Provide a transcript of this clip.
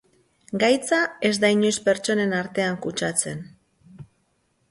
Gaitza ez da inoiz pertsonen artean kutsatzen.